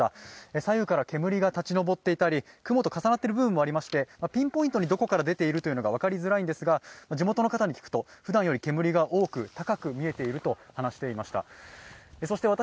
左右から煙が立ち上っていたり、雲と重なっている部分もありまして、ピンポイントにどこから出ているかは分かりにくいんですが地元の方に聞くとふだんより煙が多く高く見えていると話していました。